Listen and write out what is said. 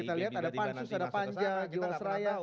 kita lihat ada pansus ada panja jawa seraya